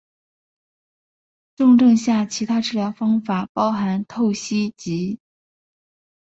重症下其他治疗方法包含透析及。